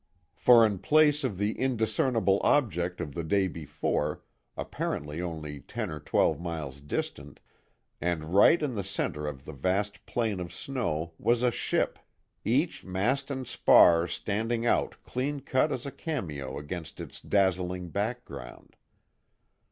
For in place of the indiscernible object of the day before, apparently only ten or twelve miles distant, and right in the centre of the vast plain of snow was a ship each mast and spar standing out clean cut as a cameo against its dazzling background.